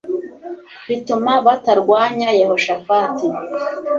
bituma batarwanya Yehoshafati